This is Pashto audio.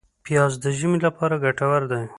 پیاز د ژمي لپاره ګټور دی